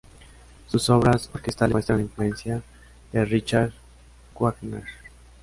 Sus obras orquestales muestran la influencia de Richard Wagner.